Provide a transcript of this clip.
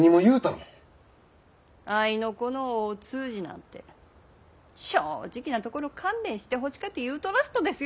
合いの子の大通詞なんて正直なところ勘弁してほしかて言うとらすとですよ。